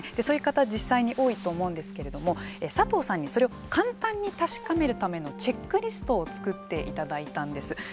そういう方実際に多いと思うんですけれども佐藤さんにそれを簡単に確かめるためのチェックリストを作っていただいたんです。